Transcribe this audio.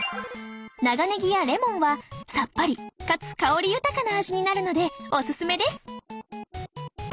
長ねぎやレモンはさっぱりかつ香り豊かな味になるのでオススメです